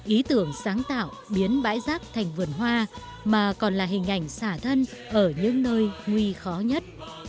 ý tưởng sáng tạo biến bãi rác thành vườn hoa mà còn là hình ảnh xả thân ở những nơi nguy khó nhất